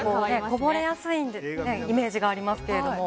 こぼれやすいイメージがありますけれども。